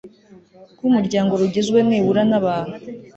rw umuryango rugizwe nibura n abantu